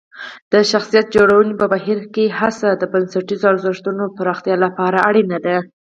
د شخصیت جوړونې په بهیر کې هڅه د بنسټیزو ارزښتونو پراختیا لپاره اړینه ده.